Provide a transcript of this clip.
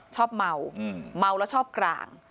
ชอบเมาเมาแล้วชอบกลาง